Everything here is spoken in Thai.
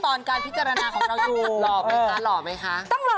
รอบไหมคะต้องรอค่ะ